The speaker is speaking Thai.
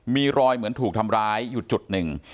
มีรอยเหมือนถูกทำร้ายอยู่จุดหนึ่ง